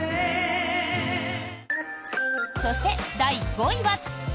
そして、第５位は。